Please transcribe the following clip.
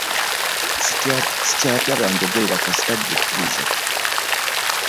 Ssikyatya banjogerera kasita ggwe okkirizza.